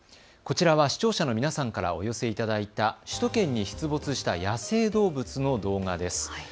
こちらは視聴者の皆さんからお寄せいただいた首都圏に出没した野生動物の動画です。